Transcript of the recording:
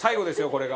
これが。